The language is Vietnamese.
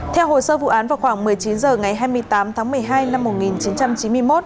theo hồ sơ vụ án vào khoảng một mươi chín h ngày hai mươi tám tháng một mươi hai năm một nghìn chín trăm chín mươi một